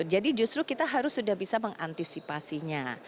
jadi justru kita harus sudah bisa mengantisipasinya